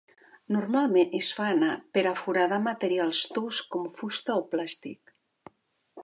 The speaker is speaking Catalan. Normalment es fa anar per a foradar materials tous com fusta o plàstic.